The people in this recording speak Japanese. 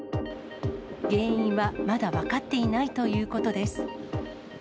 原因はまだ分かっていないということです。